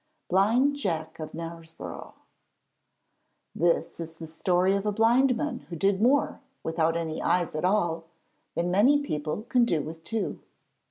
_] BLIND JACK OF KNARESBOROUGH This is the story of a blind man who did more, without any eyes at all, than many people can do with two.